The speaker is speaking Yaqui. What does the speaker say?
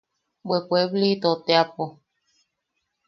–Bwe, pueblito teapo.